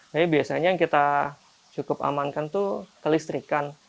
tapi biasanya yang kita cukup amankan itu kelistrikan